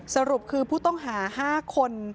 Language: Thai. สรุปคือผู้ต้องหา๕คน